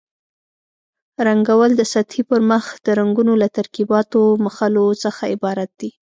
رنګول د سطحې پر مخ د رنګونو له ترکیباتو مښلو څخه عبارت دي.